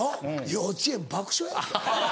幼稚園爆笑や。